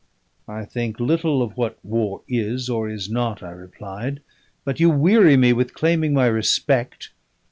"I think little of what war is or is not," I replied. "But you weary me with claiming my respect.